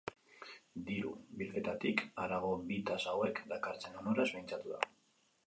Diru bilketatik harago bi tasa hauek dakarten onurez mintzatu da.